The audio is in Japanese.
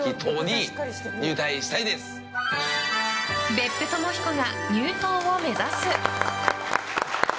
別府ともひこが入党を目指す！